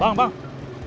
jalan kemana lu